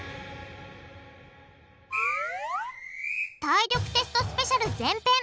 体力テストスペシャル前編